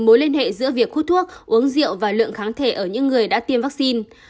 mối liên hệ giữa việc hút thuốc uống rượu và lượng kháng thể ở những người đã tiêm vaccine